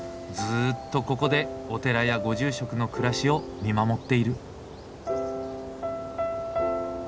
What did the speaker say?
ずっとここでお寺やご住職の暮らしを見守っている。